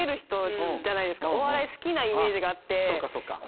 お笑い好きなイメージがあって。